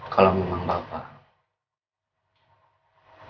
kalau memang bapak